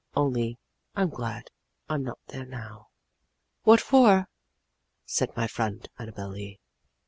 Only I'm glad I'm not there now." "What for?" said my friend Annabel Lee.